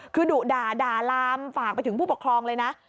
คือดุด่าด่าลามฝากไปถึงผู้ปกครองเลยนะ